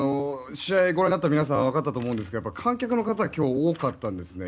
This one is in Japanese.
試合ご覧になった皆さんは分かると思うんですが観客の方が今日は多かったんですね。